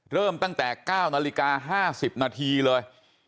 เริ่มตั้งแต่๙นาฬิกา๕๐นาทีเลย